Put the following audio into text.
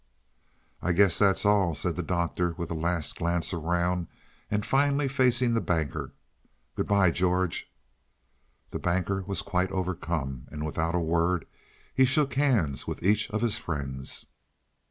"I guess that's all," said the Doctor, with a last glance around, and finally facing the Banker. "Good by, George." The Banker was quite overcome, and without a word he shook hands with each of his friends.